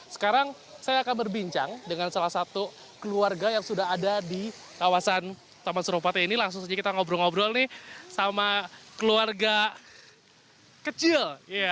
sekarang saya akan berbincang dengan salah satu keluarga yang sudah ada di kawasan taman suropati ini langsung saja kita ngobrol ngobrol nih sama keluarga kecil